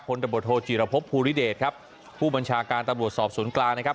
ตะบดโทจีรพบภูริเดชครับผู้บัญชาการตำรวจสอบสวนกลางนะครับ